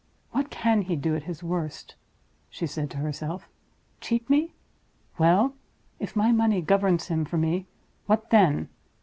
"What can he do at his worst?" she said to herself. "Cheat me. Well! if my money governs him for me, what then?